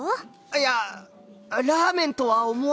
いやラーメンとは思わなかったので。